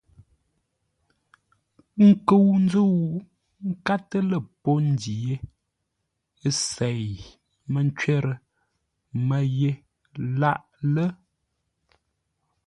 Ńkə́u ńzə́u ńkátə́ lə́ pô ndǐ yé, ə́ sêi mə́ ncwərə Mə́ ye lâʼ lə́.